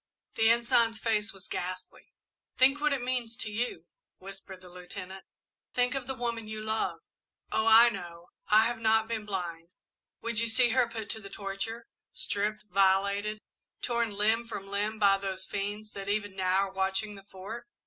The Ensign's face was ghastly. "Think what it means to you," whispered the Lieutenant. "Think of the woman you love! Oh, I know I have not been blind. Would you see her put to the torture, stripped, violated, torn limb from limb by those fiends that even now are watching the Fort?